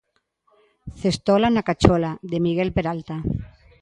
'Cestola na cachola', de Miguel Peralta.